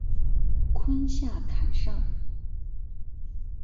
坤下坎上。